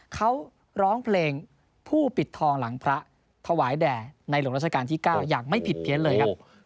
เขาร้องเพลงผู้ปิดทองหลังพระถวายแด่ในหลวงราชการที่๙อย่างไม่ผิดเพี้ยนเลยครับ